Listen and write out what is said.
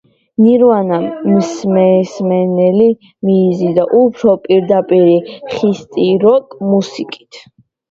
ნირვანამ მსმენელი მიიზიდა უფრო პირდაპირი, ხისტი როკ მუსიკით.